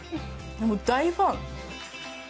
もう大ファン。